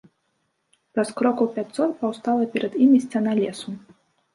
Праз крокаў пяцьсот паўстала перад імі сцяна лесу.